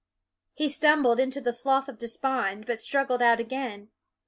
He tumbled into the Slough of Despond, but struggled out again.